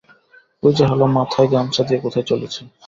ঐ যে হলা মাথায় গামছা দিয়ে কোথায় চলেছে।